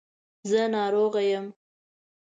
زه ناروغه یم .